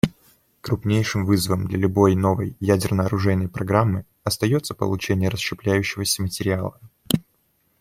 Крупнейшим вызовом для любой новой ядерно-оружейной программы остается получение расщепляющегося материала.